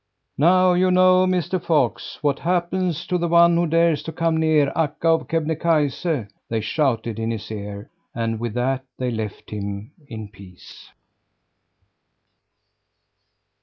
"Now you know, Mr. Fox, what happens to the one who dares to come near Akka of Kebnekaise!" they shouted in his ear; and with that they left him in peace.